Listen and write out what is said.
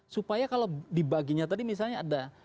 supaya kalau dibaginya tadi misalnya ada